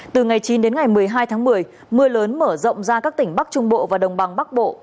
từ ngày chín đến ngày một mươi hai tháng một mươi mưa lớn mở rộng ra các tỉnh bắc trung bộ và đồng bằng bắc bộ